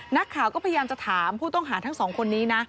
นักข่าวก็พยายามจะถามผู้ต้องหาทั้งสองคนนี้นะ